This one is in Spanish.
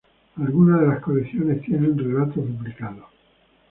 Algunas de las colecciones tienen relatos duplicados.